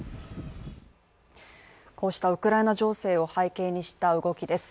こうしたウクライナ情勢を背景にした動きです